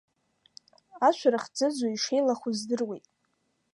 Ашәарах ӡыӡо ишеилахо здыруеит…